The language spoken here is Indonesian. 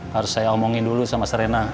harus saya omongin dulu sama serena